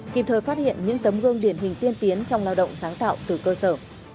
kịp thời phát hiện những tấm gương điển hình tiên tiến trong lao động sáng tạo từ cơ sở